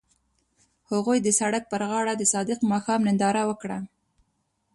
هغوی د سړک پر غاړه د صادق ماښام ننداره وکړه.